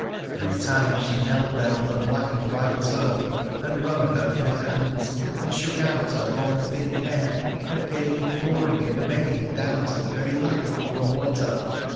Three times she knelt there on the black and white turf, and wrung her fair hands and shook out her long thick hair, and came imploring and begging down to the very lapping of the water.